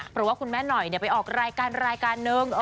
เพราะว่าคุณแม่หน่อยไปออกรายการรายการนึง